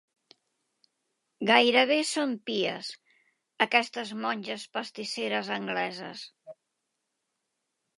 Gairebé són pies, aquestes monges pastisseres angleses.